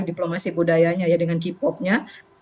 diplomasi budayanya ya dengan k popnya